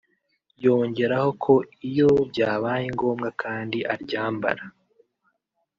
yongeraho ko iyo byabaye ngombwa kandi aryambara